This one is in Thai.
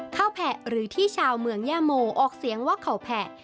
แผะหรือที่ชาวเมืองย่าโมออกเสียงว่าเขาแผะ